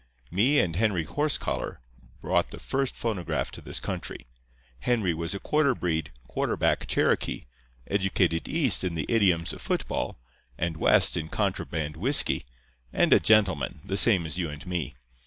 "Me and Henry Horsecollar brought the first phonograph to this country. Henry was a quarter breed, quarter back Cherokee, educated East in the idioms of football, and West in contraband whisky, and a gentleman, the same as you and me.